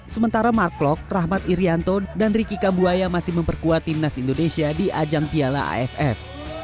sementara mark klok rahmat irianto dan riki kambuaya masih memperkuat timnas indonesia di ajang piala aff